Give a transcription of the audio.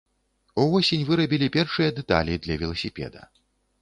Увосень вырабілі першыя дэталі для веласіпеда.